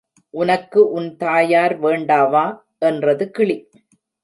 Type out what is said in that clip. உனக்கு உன் தாயார் வேண்டாவா? என்றது கிளி.